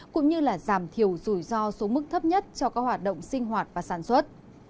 cũng như giảm thiểu rủi ro số mức thấp nhất cho các hoạt động sinh hoạt và sản xuất